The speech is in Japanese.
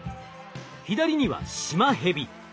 左にはシマヘビ。